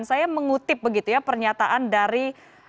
saya mengutip begitu ya pernyataan dari